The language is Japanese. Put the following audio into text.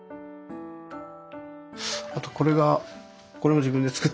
あとこれがこれも自分で作ったんですけど。